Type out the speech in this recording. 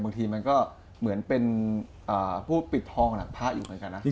บางทีมันก็เหมือนเป็นผู้ปิดทองหลังพระอยู่เหมือนกันนะ